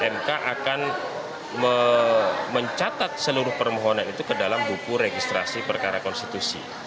mk akan mencatat seluruh permohonan itu ke dalam buku registrasi perkara konstitusi